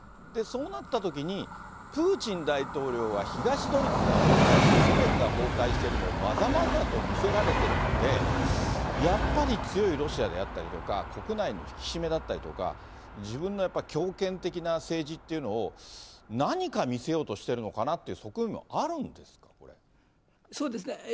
そうなったときに、プーチン大統領は東ドイツが崩壊し、ソ連が崩壊してるのを、まざまざと見せられてるので、やっぱり強いロシアであったりとか、国内の引き締めだったりとか、自分のやっぱり強権的な政治っていうのを、何か見せようとしてるのかっていう側面もあるんですか、そうですね。